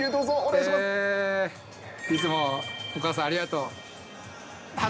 ３、２、１、いつも、お母さんありがとう。